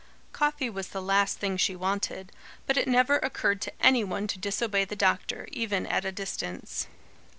Coffee was the last thing she wanted; but it never occurred to any one to disobey the doctor, even at a distance.